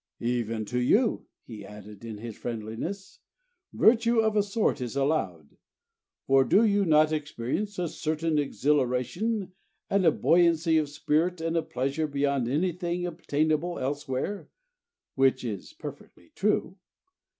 "Even to you," he added, in his friendliness, "virtue of a sort is allowed; for do you not experience a certain exhilaration and a buoyancy of spirit and a pleasure beyond anything obtainable elsewhere [which is perfectly true]?